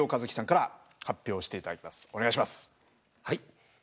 はい。